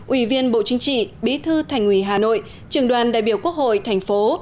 ủy viên bộ chính trị bí thư thành ủy hà nội trường đoàn đại biểu quốc hội thành phố